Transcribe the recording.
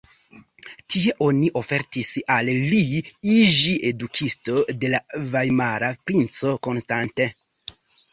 Tie oni ofertis al li iĝi edukisto de la vajmara princo Konstantin.